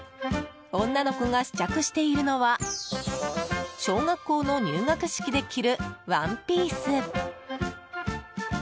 女の子が試着しているのは小学校の入学式で着るワンピース。